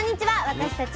私たち